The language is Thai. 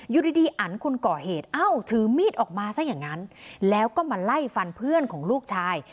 อยู่ดีอันคนก่อเหตุเอ้าถือมีดออกมาซะอย่างนั้นแล้วก็มาไล่ฟันเพื่อนของลูกชาย